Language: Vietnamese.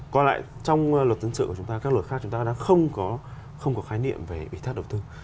còn lại trong luật dân sự của chúng ta các luật khác chúng ta đã không có khái niệm về ủy thác đầu tư